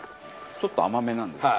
ちょっと甘めなんですよね。